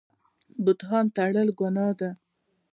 بهتان تړل ګناه ده